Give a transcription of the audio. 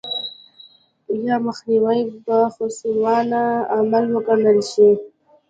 یا مخنیوی به خصمانه عمل وګڼل شي.